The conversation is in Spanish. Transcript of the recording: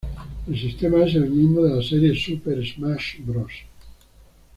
El sistema es el mismo de la serie Super Smash Bros.